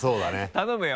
頼むよ！